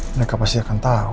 mereka pasti akan tahu